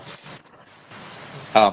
saya pemprov surabaya